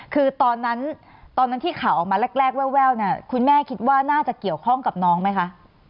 คือตอนนั้นตอนนั้นที่ข่าวออกมาแรกแววเนี่ยคุณแม่คิดว่าน่าจะเกี่ยวข้องกับน้องไหมคะ